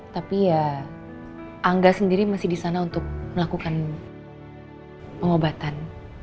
tapi ya angga sendiri masih di sana untuk melakukan pengobatan